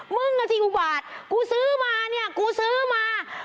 มึงอ่ะสิกูบาทกูซื้อมาเนี่ยกูซื้อมา